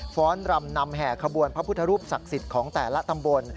้อนรำนำแห่ขบวนพระพุทธรูปศักดิ์สิทธิ์ของแต่ละตำบล